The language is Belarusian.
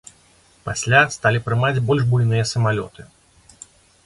Пасля сталі прымаць больш буйныя самалёты.